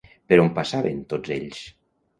Per on passaven tots ells?